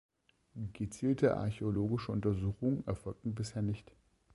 Gezielte archäologische Untersuchungen erfolgten bisher nicht.